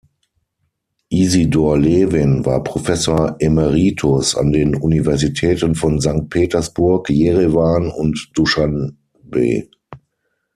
Isidor Levin war Professor Emeritus an den Universitäten von Sankt Petersburg, Jerewan und Duschanbe.